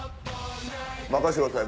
任してください。